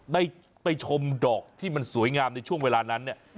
ได้ไปชมดอกที่มันสวยงามในช่วงเวลานั้นเนี่ย